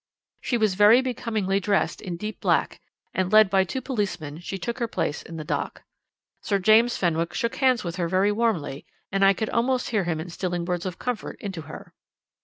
She was very becomingly dressed in deep black, and, led by two policemen, she took her place in the dock. Sir James Fenwick shook hands with her very warmly, and I could almost hear him instilling words of comfort into her.